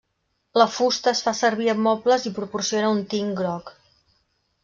La fusta es fa servir en mobles i proporciona un tint groc.